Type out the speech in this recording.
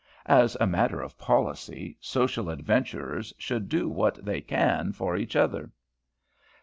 As a matter of policy, social adventurers should do what they can for each other."